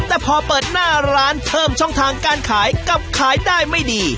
แต่พอเปิดหน้าร้านเพิ่มช่องทางการขายกับขายได้ไม่ดี